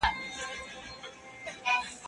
زه اجازه لرم چي چپنه پاک کړم؟